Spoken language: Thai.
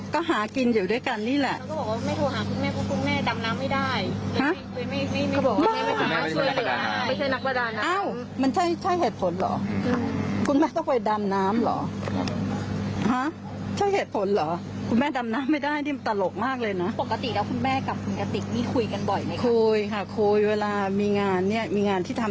ก็ยังแบ่งเปอร์เซ็นต์ให้เขาเลยบางงาน